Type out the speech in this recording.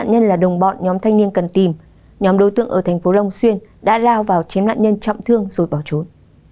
nhân là đồng bọn nhóm thanh niên cần tìm nhóm đối tượng ở thành phố long xuyên đã lao vào chiếm nạn nhân chậm thương rụt vào trốn